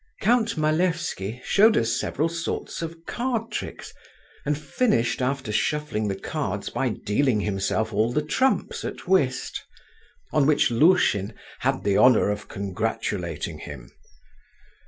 Count Malevsky showed us several sorts of card tricks, and finished, after shuffling the cards, by dealing himself all the trumps at whist, on which Lushin "had the honour of congratulating him."